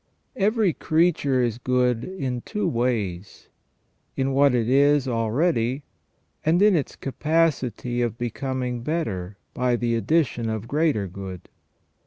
Every creature is good in two ways : in what it is already, and in its capacity of becoming better by the addition of greater good.